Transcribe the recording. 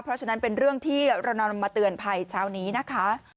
เพราะฉะนั้นเป็นเรื่องที่เรานำมาเตือนภัยเช้านี้นะคะ